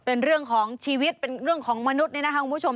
เป็นเรื่องของชีวิตเป็นเรื่องของมนุษย์นี่นะคะคุณผู้ชม